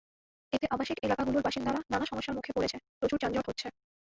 এতে আবাসিক এলাকাগুলোর বাসিন্দারা নানা সমস্যার মুখে পড়ছে, প্রচুর যানজট হচ্ছে।